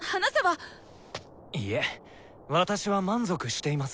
いえ私は満足しています。